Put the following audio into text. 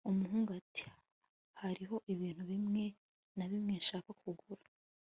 umuhungu ati hariho ibintu bimwe na bimwe nshaka kugura